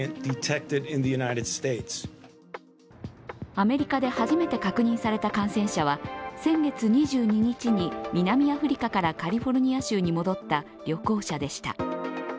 アメリカで初めて確認された感染者は先月２２日に南アフリカからカリフォルニア州に戻った旅行者でした。